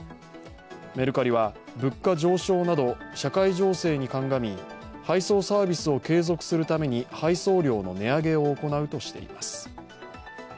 メルカリは、物価上昇など社会情勢にかんがみ配送サービスを継続するために配送料の値上げを行うとしています。